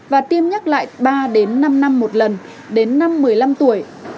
và tiêm nhắc lại ba đến năm năm một lần đến năm một mươi năm tuổi